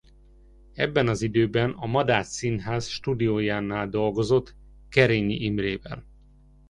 Ebben az időben a Madách Színház Stúdiójánál dolgozott Kerényi Imrével.